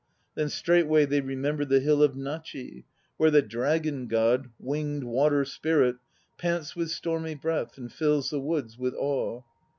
Then straightway they remembered The Hill of Nachi, where the Dragon God, Winged water spirit, pants with stormy breath And fills the woods with awe.